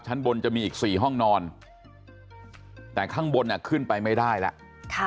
ชั้นบนจะมีอีกสี่ห้องนอนแต่ข้างบนอ่ะขึ้นไปไม่ได้ล่ะค่ะ